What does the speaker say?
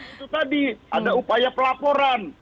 itu tadi ada upaya pelaporan